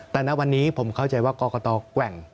แต่ณวันนี้ผมเข้าใจว่ากรกตแกว่ง